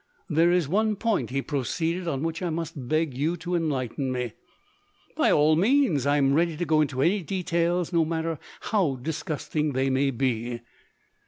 "There is one point," he proceeded, "on which I must beg you to enlighten me." "By all means! I am ready to go into any details, no matter how disgusting they may be."